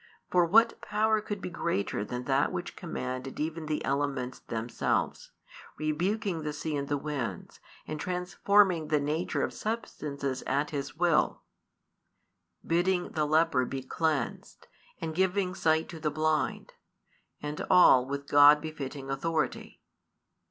For what power could be greater than that which commanded even the elements themselves, rebuking the sea and the winds, and transforming the nature of substances at His will; bidding the leper be cleansed, and giving sight to the blind: and all with God befitting authority?